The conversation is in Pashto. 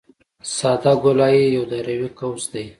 ساده ګولایي یو دایروي قوس دی